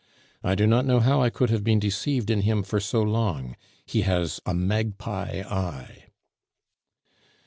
"I do not know how I could have been deceived in him for so long; he has a magpie eye."